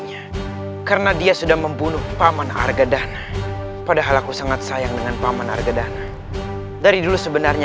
bahkan aku sudah menganggap ayahandamu sebagai ayahandamu sendiri